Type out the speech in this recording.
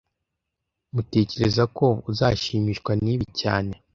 Tmutekereza ko uzashimishwa nibi cyane